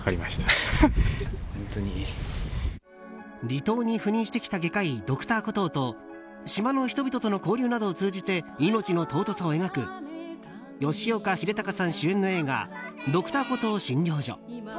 離島に赴任してきた外科医Ｄｒ．コトーと島の人々との交流などを通じて命の尊さを描く吉岡秀隆さん主演の映画「Ｄｒ．コトー診療所」。